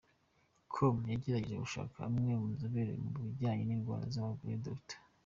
com yagerageje gushaka umwe mu nzobere mu bijyanjye n’indwara z’abagore, Dr.